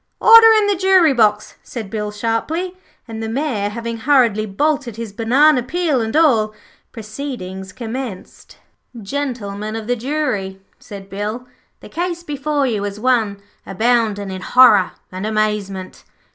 'Order in the jury box,' said Bill, sharply, and the Mayor having hurriedly bolted his banana, peel and all, proceedings commenced. 'Gentlemen of the Jury,' said Bill, 'the case before you is one aboundin' in horror and amazement.